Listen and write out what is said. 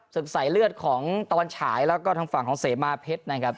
ศึกสายเลือดของตะวันฉายแล้วก็ทางฝั่งของเสมาเพชรนะครับ